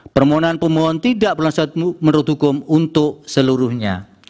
permohonan pemohon tidak berlanjut menurut hukum untuk seluruhnya